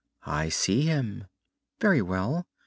"I see him." "Very well.